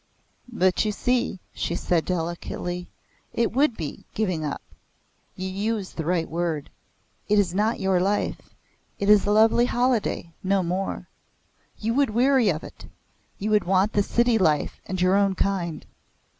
"But you see," she said delicately, "it would be 'giving up.' You use the right word. It is not your life. It is a lovely holiday, no more. You would weary of it. You would want the city life and your own kind."